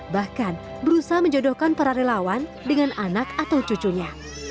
bahkan berusaha menjodohkan para relawan dengan anak atau cucunya